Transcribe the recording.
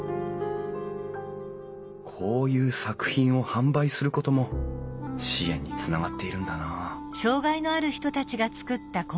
こういう作品を販売することも支援につながっているんだな